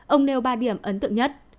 ông nêu ba điểm ấn tượng nhất